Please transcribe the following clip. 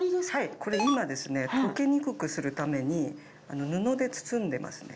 これ今ですね溶けにくくするために布で包んでますね。